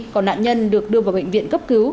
còn nạn nhân được đưa vào bệnh viện cấp cứu